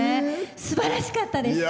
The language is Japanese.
すばらしかったです！